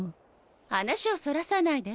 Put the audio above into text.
話をそらさないで。